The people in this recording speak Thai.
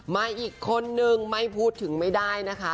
มาอีกคนนึงไม่พูดถึงไม่ได้นะคะ